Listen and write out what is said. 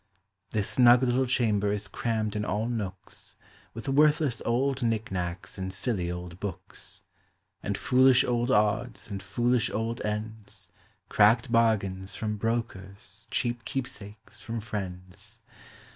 This snug little chamber is crammed in all nooks With worthless old knick knacks and silly old books. And foolish old odds and foolish old ends, Cracked bargains from brokers, cheap keepsakes from frieuds.